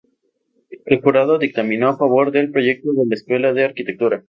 El jurado dictaminó a favor del proyecto de la Escuela de Arquitectura.